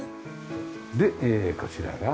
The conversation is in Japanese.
でこちらが。